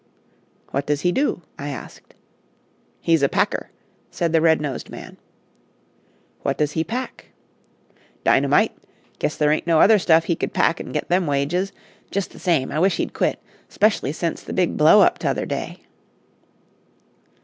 "What does he do?" I asked. "He's a packer," said the red nosed man. "What does he pack?" "Dynamite. Guess there ain't no other stuff he c'd pack an' get them wages. Jest the same, I wish he'd quit, specially sence the big blow up t' other day."